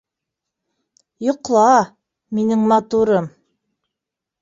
Йоҡла, минең матурым!